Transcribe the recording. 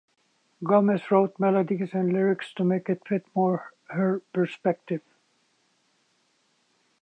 Gomez wrote melodies and lyrics to make it fit more of her perspective.